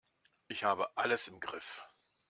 Ich habe alles im Griff.